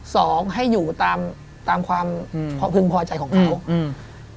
สองให้อยู่ตามความพึงพอใจของเขา